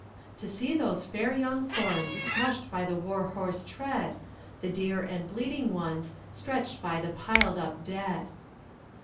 To see those fair young forms Crushed by the war horse tread, The dear and bleeding ones Stretched by the piled up dead.